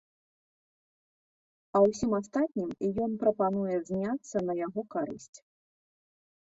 А ўсім астатнім ён прапануе зняцца на яго карысць.